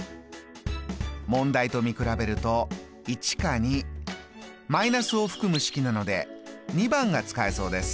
問題と見比べると１か２マイナスを含む式なので２番が使えそうです。